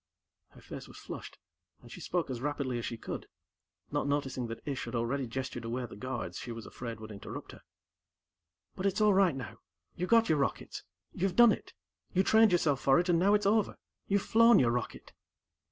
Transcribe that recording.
Her face was flushed, and she spoke as rapidly as she could, not noticing that Ish had already gestured away the guards she was afraid would interrupt her. "But it's all right, now. You got your rockets. You've done it. You trained yourself for it, and now it's over. You've flown your rocket!"